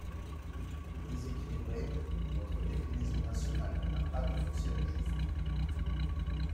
Déséquilibrée, votre déclinaison nationale de la PAC est aussi injuste.